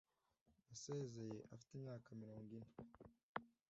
Yasezeye afite imyaka mirongo ine